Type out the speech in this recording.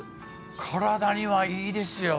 体にはいいですよ。